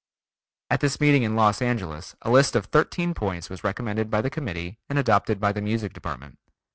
At this meeting in Los Angeles a list of thirteen points was recommended by the committee and adopted by the Music Department.